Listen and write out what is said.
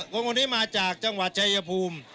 คนนี้มาจากจังหวัดชายภูมิ